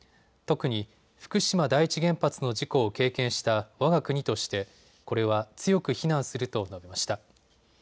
特に、福島第一原発の事故を経験したわが国としてこれは強く非難すると述べました。